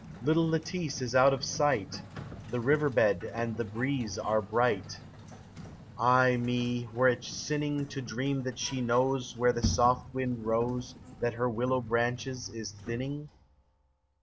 Little Lettice is out of sight 1 The river bed and the breeze are bright : Ay me, were it sinning To dream that she knows Where the soft wind rose That her willow branches is thinning